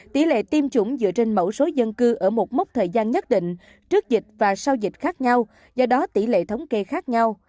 tỷ lệ tiêm chủng dựa trên mẫu số dân cư ở một mốc thời gian nhất định trước dịch và sau dịch khác nhau do đó tỷ lệ thống kê khác nhau